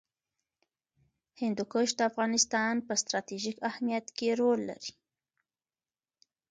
هندوکش د افغانستان په ستراتیژیک اهمیت کې رول لري.